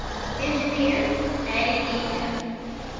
ENGINEER, A. E. F.